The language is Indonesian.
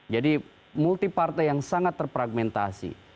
jadi multi partai yang sangat terpragmentasi